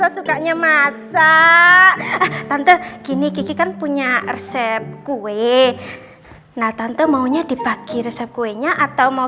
sukanya masak tante gini kiki kan punya resep kue nah tante maunya dibagi resep kuenya atau mau